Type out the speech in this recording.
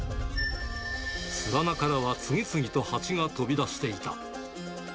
巣穴からは次々とハチが飛び出していた。